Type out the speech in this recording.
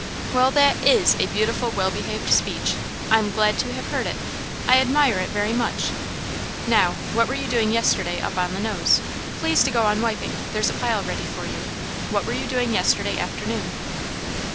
"Well, that is a beautiful, well behaved speech! I am glad to have heard it. I admire it very much. Now, what were you doing yesterday up on the Nose? Please to go on wiping. There's a pile ready for you. What were you doing yesterday afternoon?"